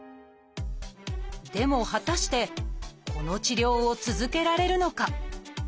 でも果たしてこの治療を続けられるのか？